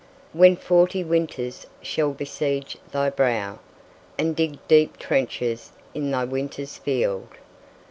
"When forty winters shall besiege thy brow, And dig deep trenches in thy winter's field."